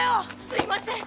すいません。